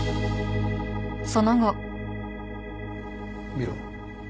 見ろ。